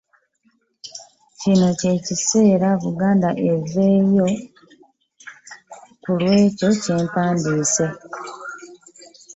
Kino kye kiseera Buganda okuvaayo ebeeko kyekola ku ebyo byempandiise.